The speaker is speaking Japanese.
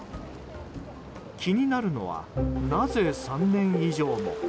気になるのはなぜ３年以上も？